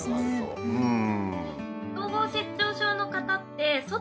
うん。